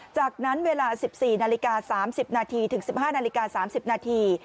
จากนั้นเวลา๑๔นาฬิกา๓๐นาทีถึง๑๕นาฬิกา๓๐นาที